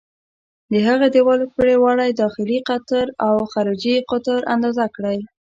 د هغه د دیوال پرېړوالی، داخلي قطر او خارجي قطر اندازه کړئ.